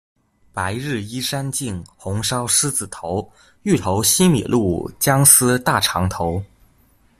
白日依山盡，紅燒獅子頭，芋頭西米露，薑絲大腸頭